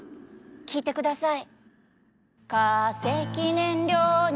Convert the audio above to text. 聴いてください。